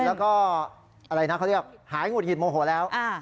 แล้วก็อะไรนะเขาเรียกหายหุดหิดโมโหแล้ว